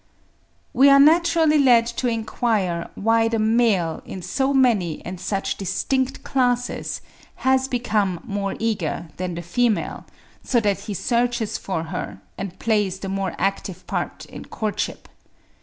We are naturally led to enquire why the male, in so many and such distinct classes, has become more eager than the female, so that he searches for her, and plays the more active part in courtship.